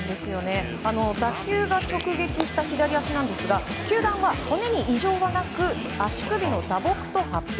打球が直撃した左足なんですが球団は骨に異常がなく足首の打撲と発表。